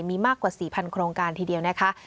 มีมากกว่า๔๐๐โครงการทีเดียวนะคะ